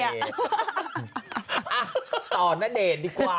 อะตอนเมื่อเดทดีกว่า